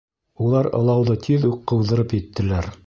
Улар ылауҙы тиҙ үк ҡыуҙырып еттеләр.